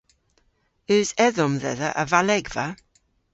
Eus edhom dhedha a valegva?